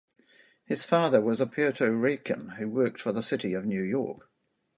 His father was a Puerto Rican who worked for the City of New York.